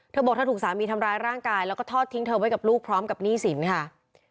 เธอบอกเธอถูกสามีทำร้ายร่างกายแล้วก็ทอดทิ้งเธอไว้กับลูกพร้อมกับหนี้สินค่ะ